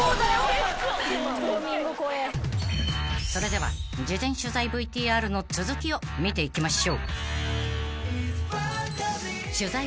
［それでは事前取材ＶＴＲの続きを見ていきましょう］